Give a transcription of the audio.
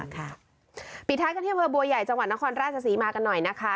ปิดท้ายกันที่อำเภอบัวใหญ่จังหวัดนครราชศรีมากันหน่อยนะคะ